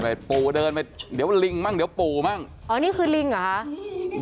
พ่อปูพูดนะเชื่ออะไรครับ